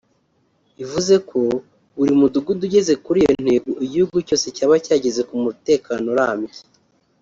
bivuze ko buri mudugudu ugeze kuri iyi ntego igihugu cyose cyaba cyageze ku mutekano urambye